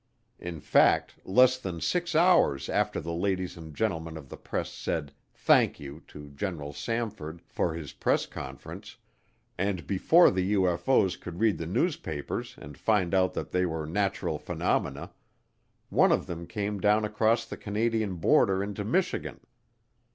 In fact, less than six hours after the ladies and gentlemen of the press said "Thank you" to General Samford for his press conference, and before the UFO's could read the newspapers and find out that they were natural phenomena, one of them came down across the Canadian border into Michigan.